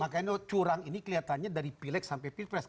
makanya curang ini kelihatannya dari pileg sampai pilpres